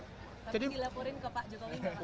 jadi dilaporin ke pak jokowi